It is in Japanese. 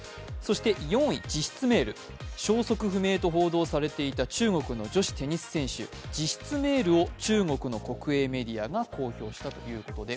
４位、自筆メール、消息不明とされていた中国のテニス選手、自筆メールを中国国営メディアが放送したということです。